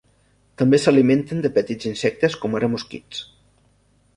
També s'alimenten de petits insectes com ara mosquits.